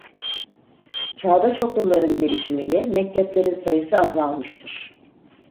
Çağdaş okulların gelişimiyle mekteplerin sayısı azalmıştır.